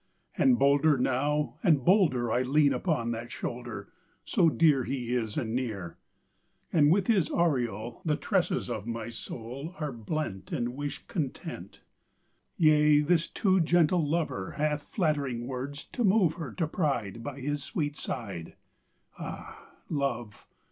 And bolder now and bolder I lean upon that shoulder, So dear He is and near. And with His aureole The tresses of my soul Are blent In wished content. Yea, this too gentle Lover Hath flattering words to move her To pride By His sweet side. Ah, Love!